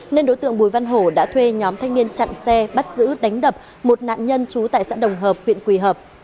nên đối tượng bùi văn hổ đã thuê nhóm thanh niên chặn xe bắt giữ đánh đập một nạn nhân trú tại xã đồng hợp huyện quỳ hợp